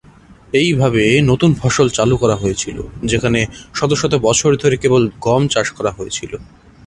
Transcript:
এইভাবে নতুন ফসল চালু করা হয়েছিল যেখানে শত শত বছর ধরে কেবল গম চাষ করা হয়েছিল।